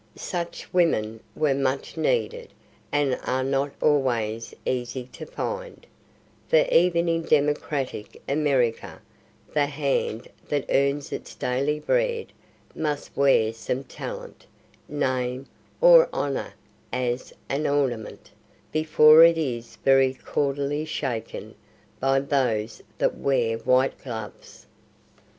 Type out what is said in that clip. Such women were much needed and are not always easy to find; for even in democratic America the hand that earns its daily bread must wear some talent, name, or honor as an ornament, before it is very cordially shaken by those that wear white gloves.